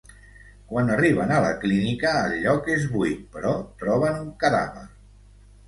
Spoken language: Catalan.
Quan arriben a la clínica, el lloc és buit però troben un cadàver.